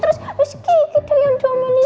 terus miss kiki teriandu sama ini